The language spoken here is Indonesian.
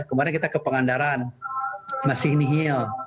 kemarin kita ke pangandaran masih nihil